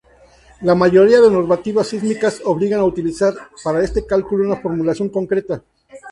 La mayoría de normativas sísmicas obligan a utilizar para este cálculo una formulación concreta.